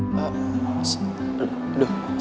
tidak lo harus berhati hati